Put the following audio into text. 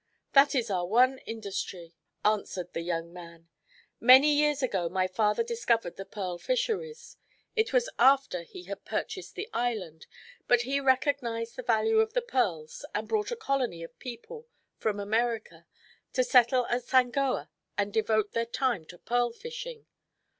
"That is our one industry," answered the young man. "Many years ago my father discovered the pearl fisheries. It was after he had purchased the island, but he recognized the value of the pearls and brought a colony of people from America to settle at Sangoa and devote their time to pearl fishing.